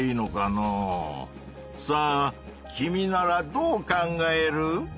さあ君ならどう考える？